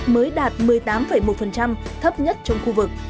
mới đạt một mươi tám một thấp nhất trong khu vực